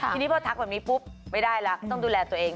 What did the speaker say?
ทีนี้พอทักแบบนี้ปุ๊บไม่ได้แล้วต้องดูแลตัวเอง